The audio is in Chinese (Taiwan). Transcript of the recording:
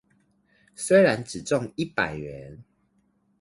雖然只中一百元